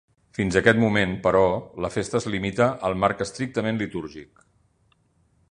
Fins aquest moment, però, la festa es limita al marc estrictament litúrgic.